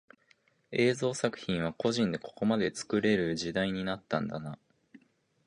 映像作品は個人でここまで作れる時代になったんだな